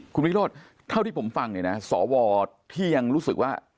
คุณพิษโรธเท่าที่ผมฟังสวที่ยังรู้สึกว่า